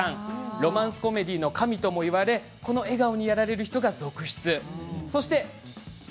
ロマンスコメディーの神ともいわれこの笑顔にやられる人が続出しています。